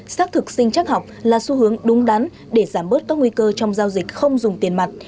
xác thực sinh chắc học là xu hướng đúng đắn để giảm bớt các nguy cơ trong giao dịch không dùng tiền mặt